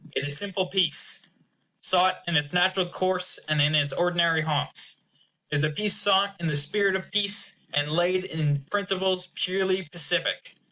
It is simple peace; sought in its natural course, and in its ordinary haunts. It is peace sought in the spirit of peace, and laid in principles purely pacific.